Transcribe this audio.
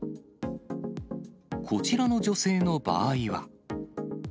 こちらの女性の場合は。